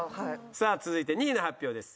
さあ続いて２位の発表です。